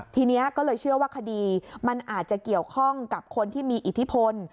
ทีนี้ก็เลยเชื่อว่าคดีมันอาจจะเกี่ยวข้องกับคนที่มีอิทธิพล